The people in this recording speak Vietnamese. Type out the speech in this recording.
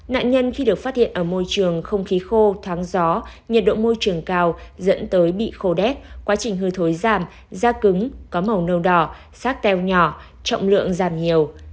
nạn nhân khi được phát hiện ở môi trường không khí khô thoáng gió nhiệt độ môi trường cao dẫn tới bị khô đét quá trình hư thối giảm da cứng có màu nâu đỏ sát teo nhỏ trọng lượng giảm nhiều